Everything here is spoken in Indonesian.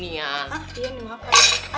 hah iyan ini makan